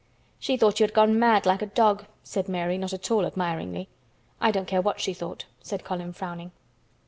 "She thought you had gone mad like a dog," said Mary, not at all admiringly. "I don't care what she thought," said Colin, frowning.